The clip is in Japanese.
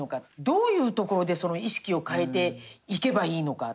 どういうところでその意識を変えていけばいいのか。